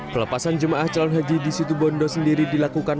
pelepasan jemaah calon haji di situbondo sendiri dilakukan